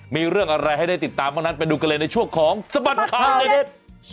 มีเรื่องอะไรให้ได้ติดตามบ้างนั้นไปดูกันเลยในช่วงของสบัดข่าวเด็ด